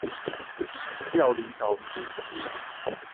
調離導師職務